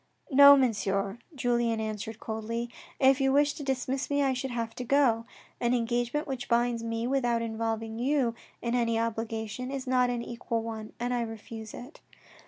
" No, Monsieur," Julien answered coldly, " if you wished to dismiss me, I should have to go. An engagement which binds me without involving you in any obligation is not an equal one and I refuse it."